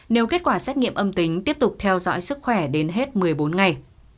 nếu kết quả xét nghiệm âm tính tiếp tục theo dõi sức khỏe đến hết một mươi bốn ngày